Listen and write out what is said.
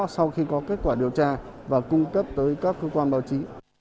sau khi có kết quả điều tra và cung cấp tới các cơ quan báo chí